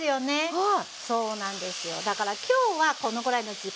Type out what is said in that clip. はい。